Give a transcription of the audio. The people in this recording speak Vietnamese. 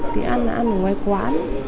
thì ăn là ăn ở ngoài quán